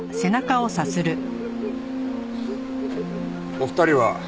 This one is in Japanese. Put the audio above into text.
お二人は？